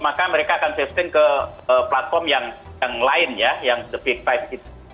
maka mereka akan shifting ke platform yang lain ya yang the big five